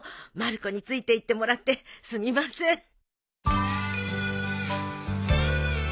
まる子に付いていってもらってすみません。